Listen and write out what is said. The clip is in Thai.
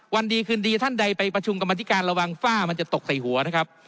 วันดีคืนดีท่านใดไปประชุมกรรมธิการระวังฝ้ามันจะตกใส่หัวนะครับ